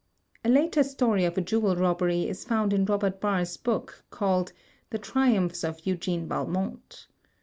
A later story of a jewel robbery is foimd in Robert Barr's book, called "The Triumphs of Eugene Valmont."